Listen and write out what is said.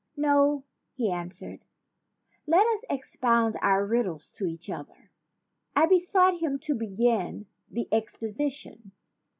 "No," he answered. "Let us expound our riddles to each other." I besought him to begin the exposition.